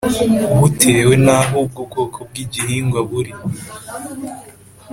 bitewe n aho ubwo bwoko bw igihingwa buri